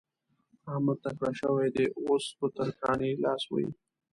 احمد تکړه شوی دی؛ اوس په ترکاڼي لاس وهي.